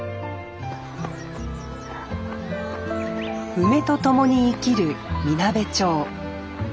梅と共に生きるみなべ町。